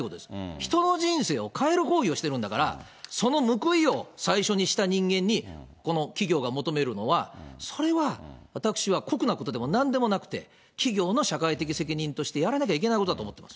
人の人生を変える行為をしてるんだから、その報いを最初にした人間に、この企業が求めるのは、それは私は酷なことでもなんでもなくて、企業の社会的責任としてやらなきゃいけないことだと思ってます。